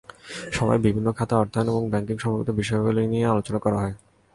সভায় বিভিন্ন খাতে অর্থায়ন এবং ব্যাংকিং-সম্পর্কিত বিষয়াবলি নিয়ে আলোচনা করা হয়।